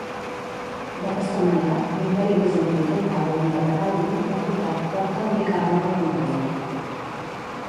D'aquesta manera, l'Imperi Bizantí trencava unilateralment el contracte que el lligava amb la Companyia.